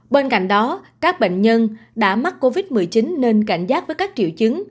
bên cạnh đó các bệnh nhân đã mắc covid một mươi chín nên cảnh giác với các triệu chứng